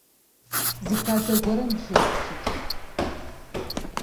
Зы хадэ гуэрым бжей къыщыкӏырт.